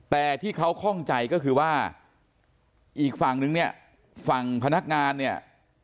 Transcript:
แต่ที่เขาคล่องใจก็คือว่าอีกฝั่งนึงเนี่ยฝั่งพนักงานเนี่ย